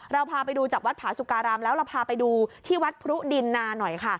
เราพาไปดูจากวัดผาสุการามแล้วเราพาไปดูที่วัดพรุดินนาหน่อยค่ะ